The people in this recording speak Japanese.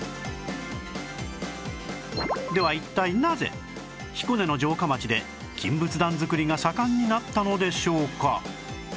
では一体なぜ彦根の城下町で金仏壇作りが盛んになったのでしょうか？